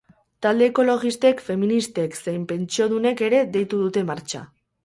Talde ekologistek, feministek zein pentsiodunek ere deitu dute martxa.